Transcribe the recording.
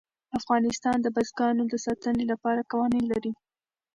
افغانستان د بزګانو د ساتنې لپاره قوانین لري.